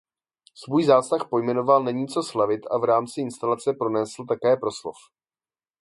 Svůj zásah pojmenoval "Není co slavit" a v rámci instalace pronesl také proslov.